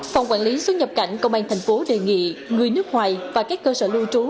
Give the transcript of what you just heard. phòng quản lý xuất nhập cảnh công an thành phố đề nghị người nước ngoài và các cơ sở lưu trú